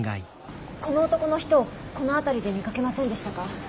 この男の人この辺りで見かけませんでしたか？